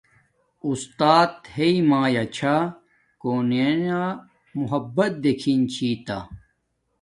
استات ہݵ مایا چھا کونییا محبت دیگی چھی تہ